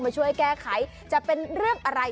มาช่วยแก้ไขจะเป็นเรื่องอะไร